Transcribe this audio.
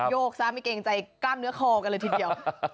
โยกซะไม่เกรงใจกล้ามเนื้อคอกันเลยทีเดียว